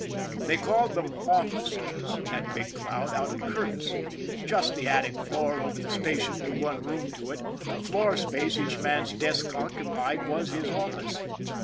They called them " offices " at Big Cloud out of courtesy just the attic floor over the station, with one room to it. The floor space each man's desk occupied was his office.